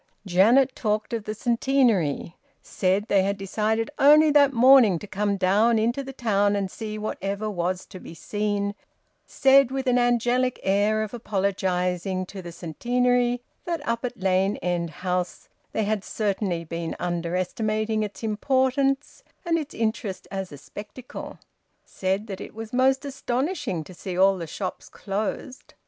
Janet talked of the Centenary; said they had decided only that morning to come down into the town and see whatever was to be seen; said with an angelic air of apologising to the Centenary that up at Lane End House they had certainly been under estimating its importance and its interest as a spectacle; said that it was most astonishing to see all the shops closed.